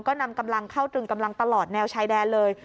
ก็นำกำลังเข้าตรึงกำลังตลอดแนวชายแดนเลย